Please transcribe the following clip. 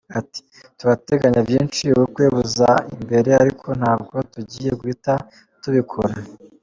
Ati “Turateganya byinshi, ubukwe buza imbere ariko ntabwo tugiye guhita tubikora.